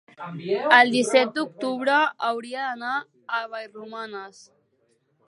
el disset d'octubre hauria d'anar a Vallromanes.